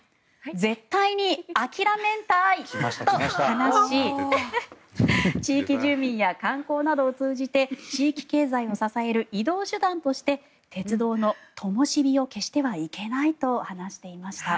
絶対に諦めんたい！と話し地域住民や観光などを通じて地域経済を支える移動手段として鉄道のともしびを消してはいけないと話していました。